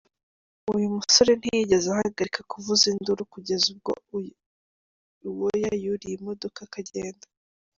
Uyu musore ntiyigeze ahagarika kuvuza induru kugeza ubwo Uwoya yuriye imodoka akagenda.